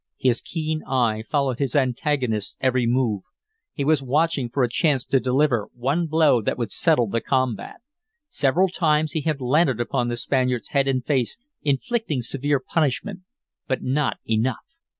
His keen eye followed his antagonist's every move. He was watching for a chance to deliver one blow that would settle the combat. Several times he had landed upon the Spaniard's head and face, inflicting severe punishment, but not enough.